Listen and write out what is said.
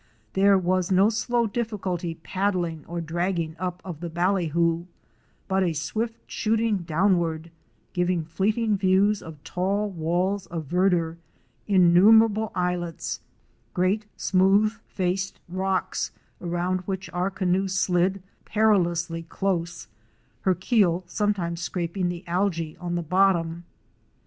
There was no slow difficult paddling or dragging up of the ballyhoo, but a swift shooting downward, giving fleeting views of tall walls of verdure, innumerable islets, great smooth faced rocks around which our canoe slid, perilously close, her keel some times scraping the alge on the bottom.